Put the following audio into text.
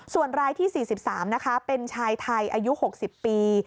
ส่วนรายที่๔๓นะคะเป็นชายไทยอายุ๖๐ปี